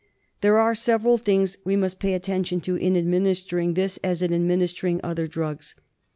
There are several things we must pay attention to in administering this, as in administering other drugs.